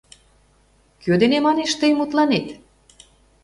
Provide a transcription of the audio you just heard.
Кӧ дене, манеш, тый мутланет?